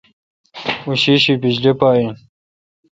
او شیشی بجلی پا این۔